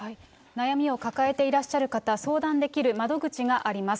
悩みを抱えていらっしゃる方、相談できる窓口があります。